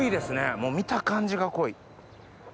もう見た感じが濃い。